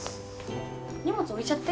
荷物置いちゃって。